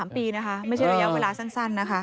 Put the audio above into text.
๓ปีนะคะไม่ใช่ระยะเวลาสั้นนะคะ